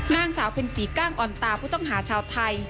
นางสาวเพ็ญศรีก้างอ่อนตาผู้ต้องหาชาวไทย